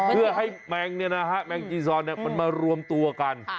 เพื่อให้แมงแมงจีซอนมันมารวมตัวกัน